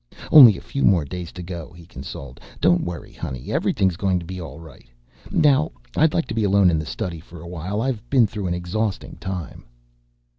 "Only a few more days to go," he consoled. "Don't worry, honey. Everything's going to be all right. Now I'd like to be alone in the study for a while. I've been through an exhausting time."